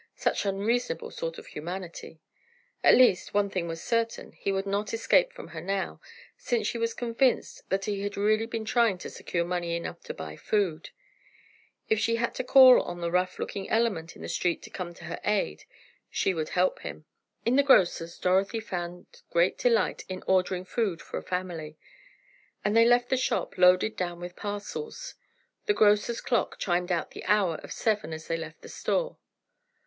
Such unreasonable sort of humanity! At least, one thing was certain, he would not escape from her now, since she was convinced that he had really been trying to secure money enough to buy food; if she had to call on the rough looking element on the street to come to her aid she would help him. In the grocer's Dorothy found great delight in ordering food for a family, and they left the shop, loaded down with parcels. The grocer's clock chimed out the hour of seven as they left the store.